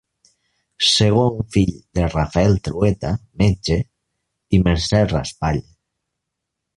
Segon fill de Rafael Trueta, metge, i Mercè Raspall.